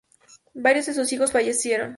Varios de sus hijos fallecieron.